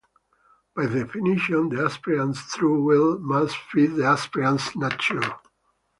By definition, the aspirant's True Will must fit the aspirant's nature.